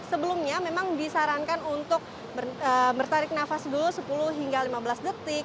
sebelumnya memang disarankan untuk bertarik nafas dulu sepuluh hingga lima belas detik